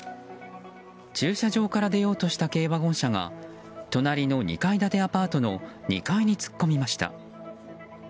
駐車場から出ようとした軽ワゴン車が隣の２階建てアパートの２階に突っ込みました。